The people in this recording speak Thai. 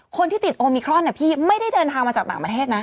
คนที่ติดโอมิครอนพี่ไม่ได้เดินทางมาจากต่างประเทศนะ